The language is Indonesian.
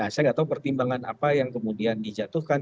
saya nggak tahu pertimbangan apa yang kemudian dijatuhkan